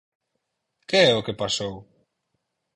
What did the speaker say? ¿Que é o que pasou?